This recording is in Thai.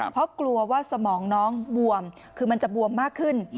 เพราะกลัวว่าสมองน้องบวมคือมันจะบวมมากขึ้น